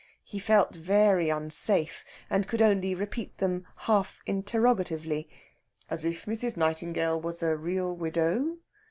He felt very unsafe, and could only repeat them half interrogatively, "As if Mrs. Nightingale was a real widow?"